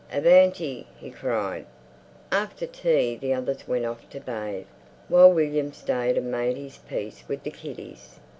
"Avanti!" he cried.... After tea the others went off to bathe, while William stayed and made his peace with the kiddies.